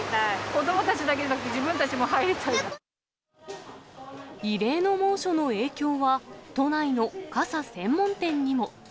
子どもたちだけじゃなくて、異例の猛暑の影響は、都内の傘専門店にも。